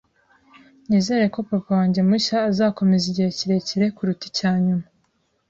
Nizere ko papa wanjye mushya azakomeza igihe kirekire kuruta icya nyuma.